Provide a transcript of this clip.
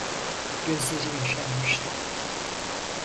Gözleri yaşarmıştı.